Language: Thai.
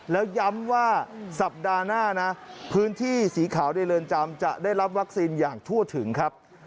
แล้วย้ำว่าสัปดาห์หน้านะพื้นที่สีขาวในเรือนจำจะได้รับวัคซีนอย่างทั่วถึงครับ